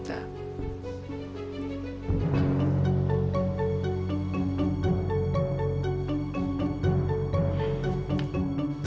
get kan yang kook